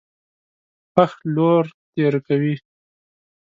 پښ لور تېره کوي.